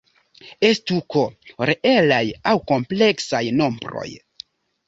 Estu "K" reelaj aŭ kompleksaj nombroj.